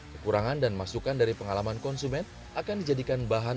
kekurangan dan masukan dari pengalaman konsumen